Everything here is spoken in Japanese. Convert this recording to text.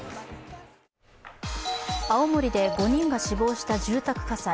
青森で５人が死亡した住宅火災。